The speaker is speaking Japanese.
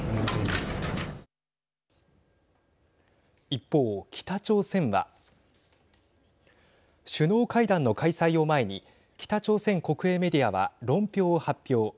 一方、北朝鮮は首脳会談の開催を前に北朝鮮国営メディアは論評を発表。